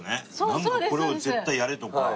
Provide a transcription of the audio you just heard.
なんか「これを絶対やれ」とか。